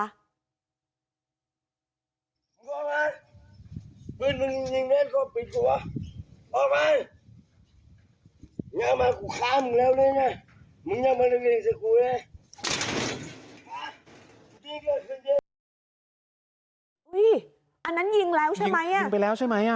อันนั้นยิงแล้วใช่ไหมยิงไปแล้วใช่ไหม